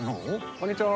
こんにちは。